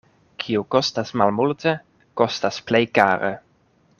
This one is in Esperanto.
Kio kostas malmulte, kostas plej kare.